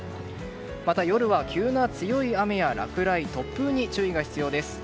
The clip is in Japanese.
また、夜は急な強い雨や落雷、突風に注意が必要です。